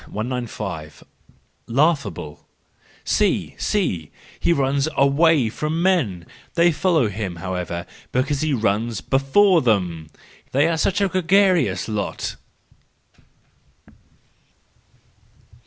195 * Laughable1 —See! See! He runs away from men—: they follow him, however, because he runs before them,—they are such a gregarious lot!